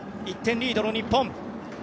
１点リードの日本。